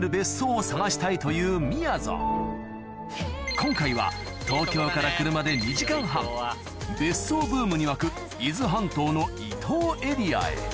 今回は東京から車で２時間半別荘ブームに沸く伊豆半島の伊東エリアへ今。